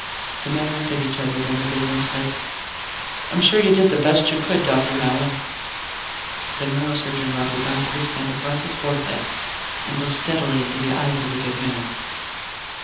The men looked at each other, then the big one said: "I'm sure you did the best you could, Dr. Mallon." The neurosurgeon rubbed the back of his hand across his forehead and looked steadily into the eyes of the big man.